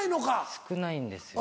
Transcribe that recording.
少ないんですよ